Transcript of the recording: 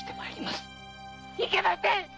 いけません！！